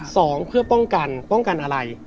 สองเพื่อป้องกันป้องกันอะไร